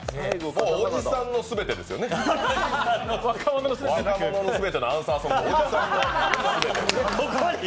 おじさんのすべてですよね、「若者のすべて」のアンサーソング。